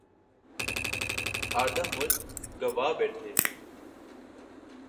آدھا ملک گنوا بیٹھے۔